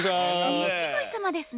錦鯉様ですね。